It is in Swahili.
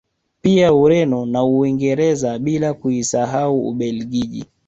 Pia Ureno na Uingereza bila kuisahau Ubelgiji